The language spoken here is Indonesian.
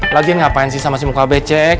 lagi ngapain sih sama si muka becek